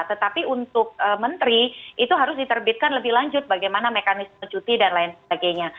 tetapi untuk menteri itu harus diterbitkan lebih lanjut bagaimana mekanisme cuti dan lain sebagainya